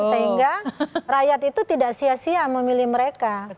sehingga rakyat itu tidak sia sia memilih mereka